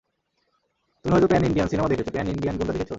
তুমি হয়তো pan-Indian cinema দেখেছো, প্যান-ইন্ডিয়ান গুন্ডা দেখেছো?